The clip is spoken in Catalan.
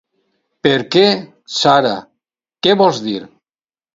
Per què, Zahra, què vols dir?